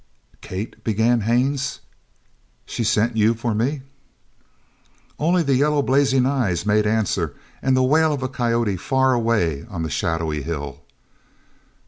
"Kate " began Haines. "She sent you for me?" Only the yellow blazing eyes made answer and the wail of a coyote far away on the shadowy hill.